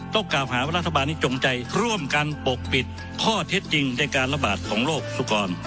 กล่าวหาว่ารัฐบาลนี้จงใจร่วมกันปกปิดข้อเท็จจริงในการระบาดของโรคสุกร